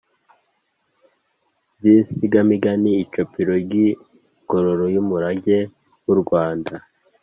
by’insigamigani, icapiro ry’ingoro y’umurage w’u rwanda,